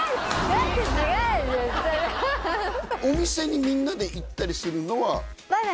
だって違うお店にみんなで行ったりするのは？